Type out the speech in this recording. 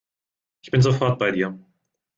Ich bin sofort bei dir.